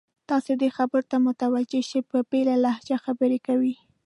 تاسې د ده خبرو ته متوجه شئ، په بېله لهجه خبرې کوي.